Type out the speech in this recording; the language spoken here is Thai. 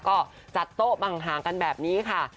ก็จัดโต๊ะบางห่างกันแบบนี้ค่ะ